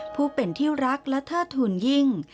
ผู้เป็นที่รักและเทิดทูลยิ่ง